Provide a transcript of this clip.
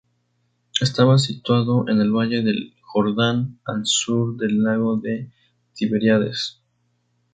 Estaba situado en el valle del Jordán, al sur del lago de Tiberíades.